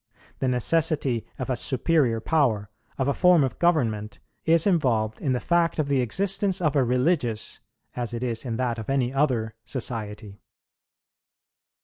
The necessity of a superior power, of a form of government, is involved in the fact of the existence of a religious, as it is in that of any other society.